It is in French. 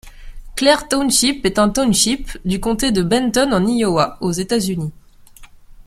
Clair Township est un township, du comté de Benton en Iowa, aux États-Unis.